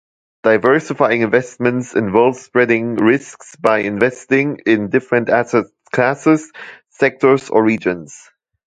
Diversifying investments involves spreading risks by investing in different asset classes, sectors, or regions.